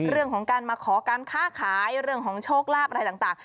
เรื่องของการมาขอการค้าขายเรื่องของโชคลาภอะไรต่าง